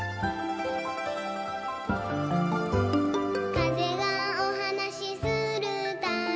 「かぜがおはなしするたび」